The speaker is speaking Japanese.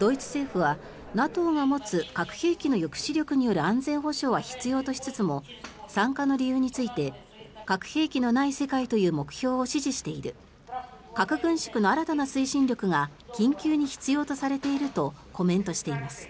ドイツ政府はＮＡＴＯが持つ核兵器の抑止力による安全保障は必要としつつも参加の理由について核兵器のない世界という目標を支持している核軍縮の新たな推進力が緊急に必要とされているとコメントしています。